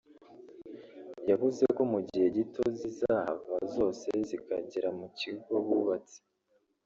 yavuze ko mu gihe gito zizahava zose zigakorera mu kigo bubatse